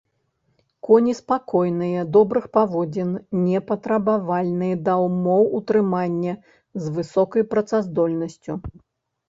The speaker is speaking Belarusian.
Коні спакойныя, добрых паводзін, непатрабавальныя да ўмоў утрымання, з высокай працаздольнасцю.